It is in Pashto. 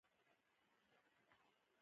ژبه د انساني ادب زېری راوړي